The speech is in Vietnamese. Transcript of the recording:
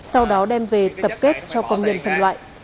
sau đó đem về tập kết cho công nhân phân loại